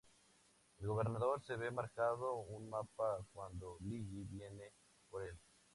El Gobernador se ve marcado un mapa cuando Lilly viene por el.